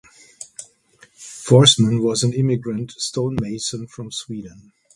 Forsman was an immigrant stonemason from Sweden.